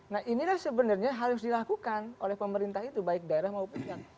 nah inilah sebenarnya harus dilakukan oleh pemerintah itu baik daerah maupun yang